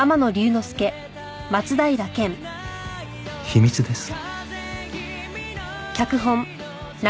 秘密です。